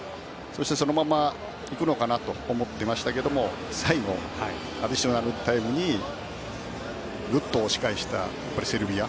そのまま行くのかなと思ってましたけど最後、アディショナルタイムにぐっと押し返したセルビア。